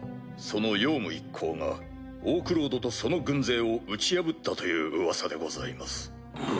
そのヨウム一行がオークロードとその軍勢を打ち破ったという噂でございます。